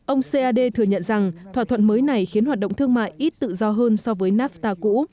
ông c a d thừa nhận rằng thỏa thuận mới này khiến hoạt động thương mại ít tự do hơn so với nafta cũ